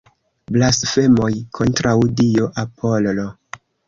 Blasfemoj kontraŭ dio Apollo!